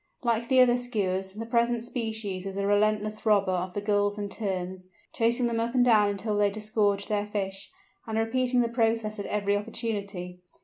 Like the other Skuas, the present species is a relentless robber of the Gulls and Terns, chasing them up and down until they disgorge their fish, and repeating the process at every opportunity.